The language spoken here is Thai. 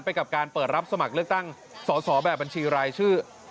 กับการเปิดรับสมัครเลือกตั้งสอสอแบบบัญชีรายชื่อ